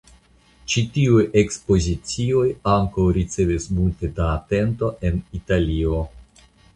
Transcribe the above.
Ĉi tiuj ekspozicioj ankaŭ ricevis multe da atento en Italio.